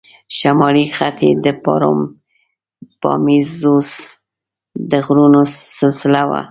شمالي خط یې د پاروپامیزوس د غرونو سلسله وه.